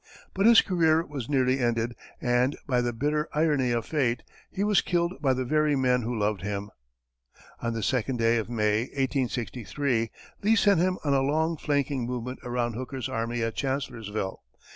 But his career was nearly ended, and, by the bitter irony of fate, he was to be killed by the very men who loved him. On the second day of May, 1863, Lee sent him on a long flanking movement around Hooker's army at Chancellorsville.